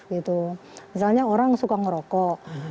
misalnya orang suka ngerokok